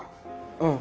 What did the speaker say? うん。